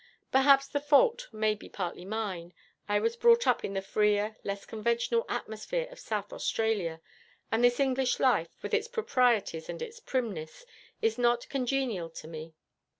Perhaps the fault may be partly mine. I was brought up in the freer, less conventional atmosphere of South Australia, and this English life, with its proprieties and its primness, is not congenial to me.